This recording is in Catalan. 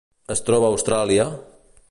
Es troba a Austràlia: